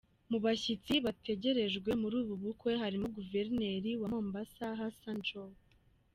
Mu bashyitsi bategerejwe muri ubu bukwe harimo Guverineri wa Mombasa, Hassan Joho.